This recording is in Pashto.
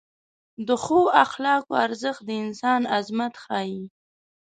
د ښو اخلاقو ارزښت د انسان عظمت ښیي.